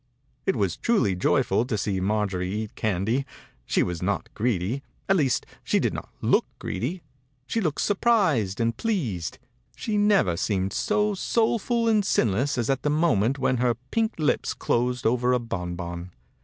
It was truly joyful to see Maijorie eat candy. She was not greedy. At least, she did not look greedy. She looked surprised and pleased. She never seemed so soulful and sin less as at the moment when her pink lips closed over a bonbon.